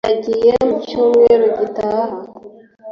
ndagiye mu cyumweru gitaha